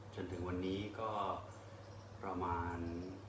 จนถึงวันนี้ก็ประมาณ